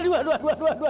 dua dua dua dua dua